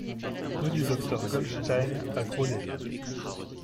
Rue du Docteur Goldstein à Groslay